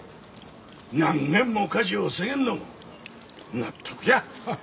何軒も火事を防げんのも納得じゃ。